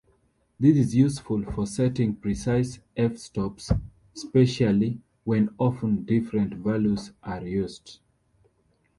This is useful for setting precise f-stops, specially when often different values are used.